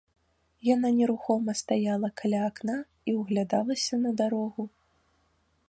Яна нерухома стаяла каля акна і ўглядалася на дарогу.